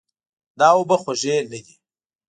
دا اوبه خوږې نه دي.